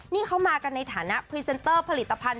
นี่เขามากันในฐานะพรีเซนเตอร์ผลิตภัณฑ